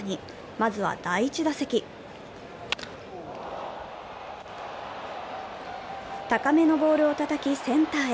まずは第１打席高めのボールをたたきセンターへ。